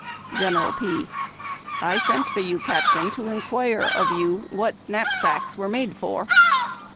General P. — "I sent for 3'ou, Captain, to inquire of you what knapsacks were made for."'